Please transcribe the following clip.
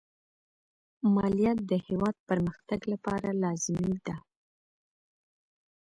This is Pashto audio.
مالیه د هېواد پرمختګ لپاره لازمي ده.